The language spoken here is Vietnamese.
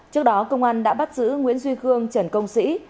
trước đó công an đã bắt giữ nguyễn duy khương trần công sĩ